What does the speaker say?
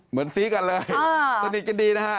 เหมือนซีกันเลยตัวนี้ก็ดีนะฮะ